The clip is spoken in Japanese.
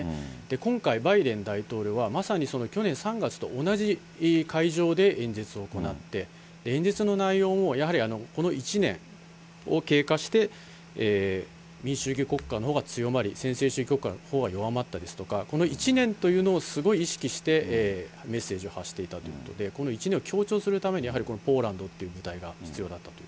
今回、バイデン大統領は、まさにその去年３月と同じ会場で演説を行って、演説の内容もやはりこの１年を経過して、民主主義国家のほうが強まり、専制主義国家のほうが弱まったとか、この１年というのをすごい意識して、メッセージを発していたということで、この１年を強調するためにやはりこのポーランドという舞台が必要